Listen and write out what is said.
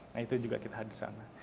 nah itu juga kita harus di sana